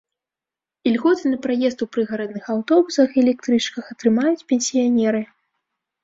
Ільготы на праезд у прыгарадных аўтобусах і электрычках атрымаюць пенсіянеры.